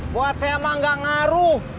buat saya mah nggak ngaruh